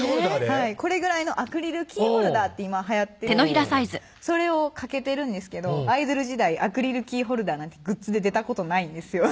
はいこれぐらいのアクリルキーホルダーって今はやってるんですけどそれをかけてるんですけどアイドル時代アクリルキーホルダーなんてグッズで出たことないんですよ